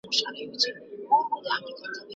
ما ته د پښتو خبرې خوند راکوي.